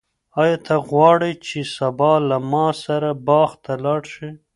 آیا ته غواړې چې سبا له ما سره باغ ته لاړ شې؟